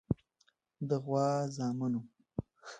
د غوا زامنو.